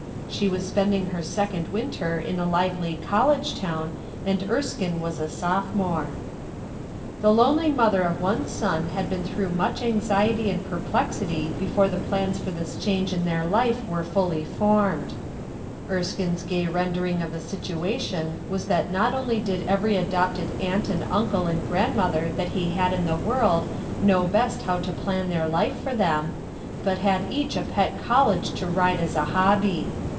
She was spending her second winter h\ a lively college town, and Krskine w<as a sophomore. The lonely mother of one son had been through much anxiety and perplexity before the plans for this change in their life were fully formed, Erskino's gay rendering of the situation was that not only did every adopted aunt and uncle and grandmother that ho had in the world know best how to plan their life for them, but had each a pet college to ride as a hobby.